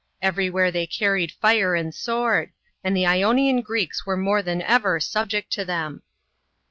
Everywhere they carried fire and sword, and the Ionian Greeks were more than ever subject to them.